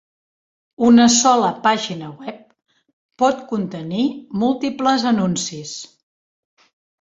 Una sola pàgina web pot contenir múltiples anuncis.